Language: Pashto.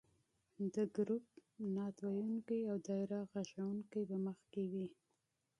د ګروپ نعت ویونکي او دایره غږونکې به مخکې وي.